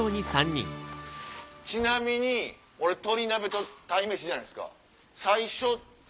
ちなみに俺鶏鍋と鯛めしじゃないですか。